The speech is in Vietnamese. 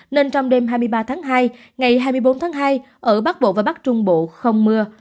nên trong đêm hai mươi ba tháng hai ngày hai mươi bốn tháng hai ở bắc bộ và bắc trung bộ không mưa